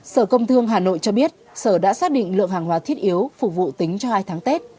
sở công thương hà nội cho biết sở đã xác định lượng hàng hóa thiết yếu phục vụ tính cho hai tháng tết